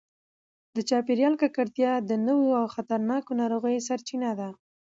د چاپیریال ککړتیا د نویو او خطرناکو ناروغیو سرچینه ده.